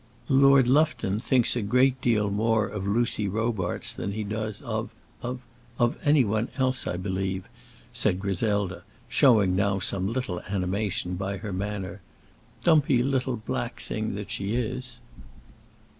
"Lord Lufton thinks a great deal more of Lucy Robarts than he does of of of any one else, I believe," said Griselda, showing now some little animation by her manner, "dumpy little black thing that she is."